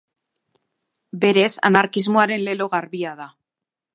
Berez, anarkismoaren lelo garbia da.